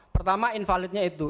pertama invalidnya itu